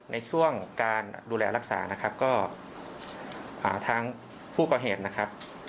ในช่วงการดูแลรักษานะครับก็ทางผู้ก่อเหตุนะครับ